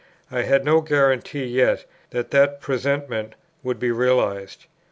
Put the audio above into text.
I had no guarantee yet, that that presentiment would be realized.